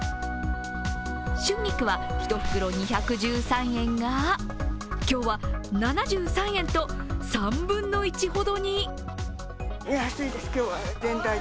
春菊は１袋２１３円が今日は７３円と３分の１ほどに。